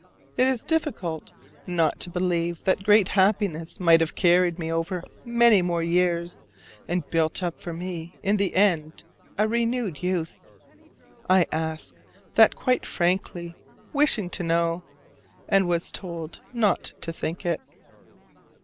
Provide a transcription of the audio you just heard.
It is difficult not to believe that great happiness might have carried me over many more years and built up for me in the end a renewed youth: I asked that quite frankly, wishing to know, and was told not to think it.